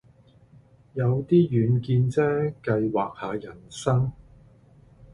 有啲遠見啫，計劃下人生